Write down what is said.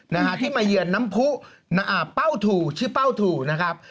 นะฮะที่มาเยือนน้ำผู้อ่าเป้าถูชื่อเป้าถูนะครับ